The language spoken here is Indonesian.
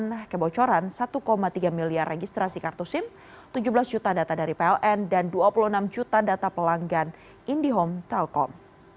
dan kebocoran satu tiga miliar registrasi kartu sim tujuh belas juta data dari pln dan dua puluh enam juta data pelanggan indihome telkom